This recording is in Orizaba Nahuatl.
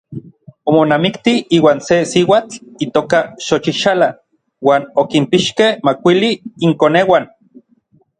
Omonamikti iuan se siuatl itoka Xochixala uan okinpixkej makuili inkoneuan.